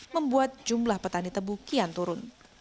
membuat jumlah petani tebu kian turun